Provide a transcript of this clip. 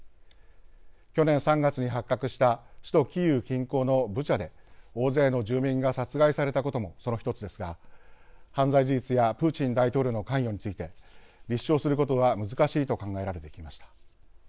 去年３月に発覚した首都キーウ近郊のブチャで大勢の住民が殺害されたこともその一つですが犯罪事実やプーチン大統領の関与について立証することは難しいと考えられてきました。